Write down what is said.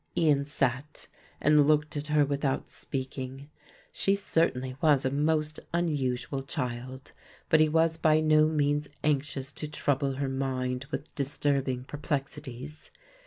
Ian sat and looked at her without speaking. She certainly was a most unusual child, but he was by no means anxious to trouble her mind with disturbing perplexities.